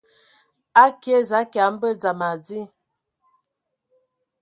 Akie za kia mbə dzam adi.